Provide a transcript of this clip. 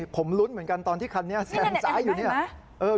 ผมลุ้นเหมือนกันตอนที่คันนี้แซงซ้ายอยู่เนี่ย